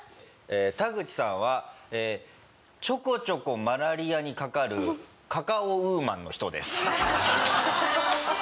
えータグチさんはちょこちょこマラリアにかかるカカオウーマンの人です。